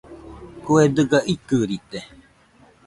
Kue dɨga ikɨrite